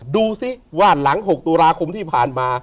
ดูสิว่าหลัง๖ตุลาคมที่ผ่านมา